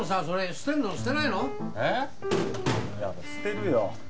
捨てるよ。